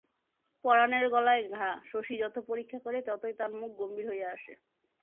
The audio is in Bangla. পরানের গলায় ঘা শশী যত পরীক্ষা করে ততই তার মুখ গম্ভীর হইয়া আসে।